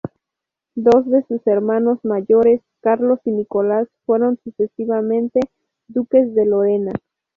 Dos de sus hermanos mayores, Carlos y Nicolás, fueron sucesivamente duques de Lorena.